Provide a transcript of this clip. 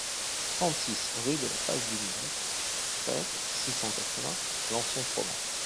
trente-six rue de la Passe du Lièvre, treize, six cent quatre-vingts à Lançon-Provence